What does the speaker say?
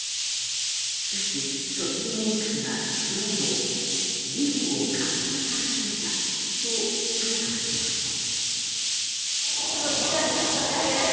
しかし、組織委員会はそれらを議論を活性化させたと総括しました。